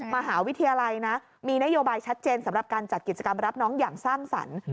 มหาวิทยาลัยนะมีนโยบายชัดเจนสำหรับการจัดกิจกรรมรับน้องอย่างสร้างสรรค์